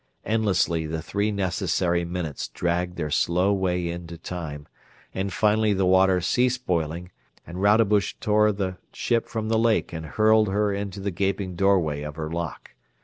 Endlessly the three necessary minutes dragged their slow way into time, but finally the water ceased boiling and Rodebush tore the ship from the lake and hurled her into the gaping doorway of her dock.